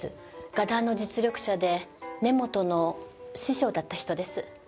画壇の実力者で根本の師匠だった人です。